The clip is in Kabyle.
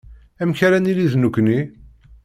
Amek ara nili d nekkni.